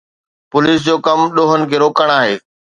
Police جو ڪم ڏوهن کي روڪڻ آهي.